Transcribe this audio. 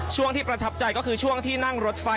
ช่วงที่ประทับใจก็คือช่วงที่นั่งรถไฟ